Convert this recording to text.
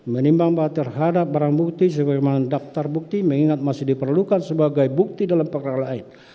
menimbang bahwa terhadap barang bukti sebagaimana daftar bukti mengingat masih diperlukan sebagai bukti dalam perkara lain